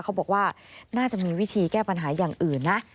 เขาบอกว่าน่าจะมีวิธีแก้ปัญหาอย่างอื่นนะ